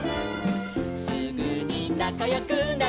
「すぐになかよくなるの」